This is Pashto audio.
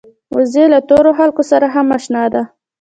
وزې له تورو خلکو سره هم اشنا ده